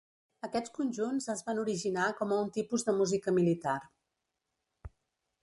Aquests conjunts es van originar com a un tipus de música militar.